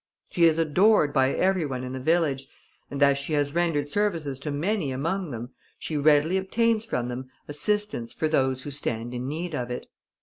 She is adored by every one in the village, and as she has rendered services to many among them, she readily obtains from them assistance for those who stand in need of it.